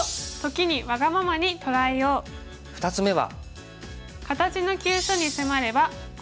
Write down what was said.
２つ目は。